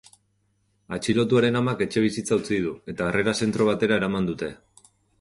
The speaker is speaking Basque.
Atxilotuaren amak etxebizitza utzi du, eta harrera-zentro batera eraman dute.